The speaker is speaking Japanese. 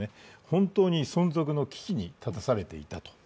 本当に存続の危機に立たされていたと。